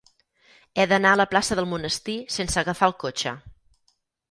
He d'anar a la plaça del Monestir sense agafar el cotxe.